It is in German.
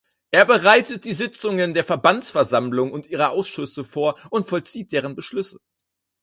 Er bereitet die Sitzungen der Verbandsversammlung und ihrer Ausschüsse vor und vollzieht deren Beschlüsse.